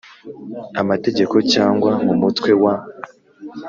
Amategeko cyangwa mu Mutwe wa